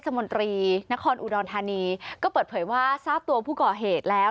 มนตรีนครอุดรธานีก็เปิดเผยว่าทราบตัวผู้ก่อเหตุแล้ว